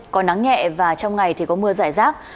có nắng nhẹ và trong ngày thì có mưa rải rác